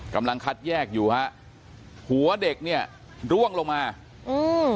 กำลังคัดแยกอยู่ฮะหัวเด็กเนี่ยร่วงลงมาอืม